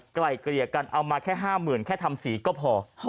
ไกลเกลี่ยกันเอามาแค่๕๐๐๐แค่ทำสีก็พอ